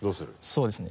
そうですね。